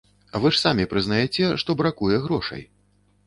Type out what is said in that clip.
Вы ж самі прызнаяце, што бракуе грошай.